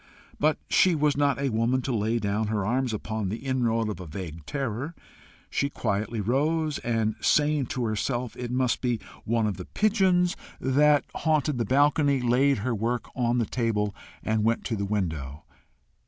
But she was not a woman to lay down her arms upon the inroad of a vague terror. She quietly rose, and, saying to herself it must be one of the pigeons that haunted the balcony, laid her work on the table, and went to the window.